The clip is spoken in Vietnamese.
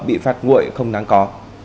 bị phạt nguội không nắng có